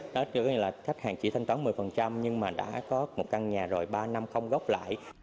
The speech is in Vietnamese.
đó có nghĩa là khách hàng chỉ thanh toán một mươi nhưng mà đã có một căn nhà rồi ba năm không gốc lãi